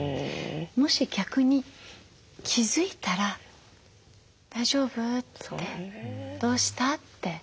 もし逆に気付いたら大丈夫？ってどうした？って。